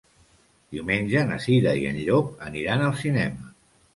Diumenge na Cira i en Llop aniran al cinema.